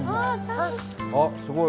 あすごい。